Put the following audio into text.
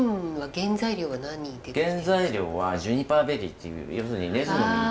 原材料はジュニパーベリーっていう要するにネズの実。